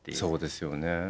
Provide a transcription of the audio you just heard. そうですよね。